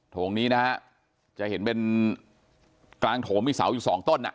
โถงนี้นะฮะจะเห็นเป็นกลางโถงมีเสาอยู่สองต้นอ่ะ